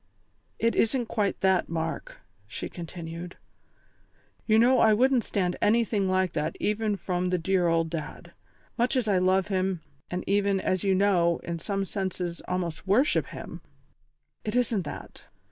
"It isn't quite that, Mark," she continued. "You know I wouldn't stand anything like that even from the dear old Dad. Much as I love him, and even, as you know, in some senses almost worship him, it isn't that.